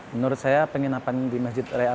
menurut saya penginapan di masjid al falak sragen